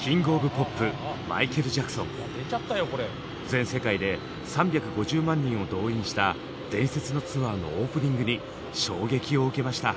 全世界で３５０万人を動員した伝説のツアーのオープニングに衝撃を受けました。